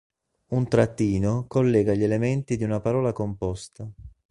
Un trattino collega gli elementi di una parola composta.